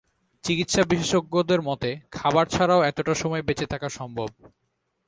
চিকিৎসা বিশেষজ্ঞদের মতে, খাবার ছাড়াও এতটা সময় বেঁচে থাকা সম্ভব।